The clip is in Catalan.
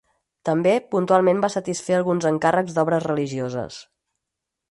També, puntualment va satisfer alguns encàrrecs d'obres religioses.